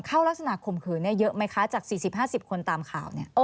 ลักษณะข่มขืนเยอะไหมคะจาก๔๐๕๐คนตามข่าว